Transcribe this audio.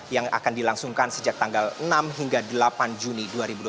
yang akan dilangsungkan sejak tanggal enam hingga delapan juni dua ribu dua puluh